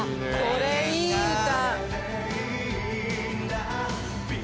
これいい歌！